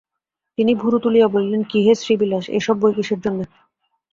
তিনি ভুরু তুলিয়া বলিলেন, কী হে শ্রীবিলাস, এ-সব বই কিসের জন্য?